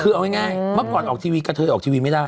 คือเอาง่ายเมื่อก่อนออกทีวีกระเทยออกทีวีไม่ได้